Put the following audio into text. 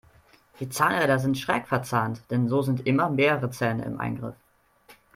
Die Zahnräder sind schräg verzahnt, denn so sind immer mehrere Zähne im Eingriff.